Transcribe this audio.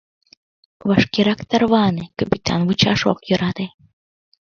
Вашкерак тарване, капитан вучаш ок йӧрате.